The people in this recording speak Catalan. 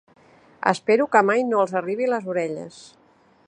Espero que mai no els arribi a les orelles.